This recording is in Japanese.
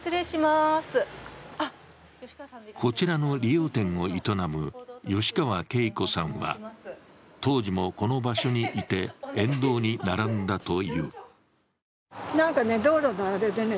こちらの理容店を営む吉川圭子さんは当時もこの場所にいて、沿道に並んだという。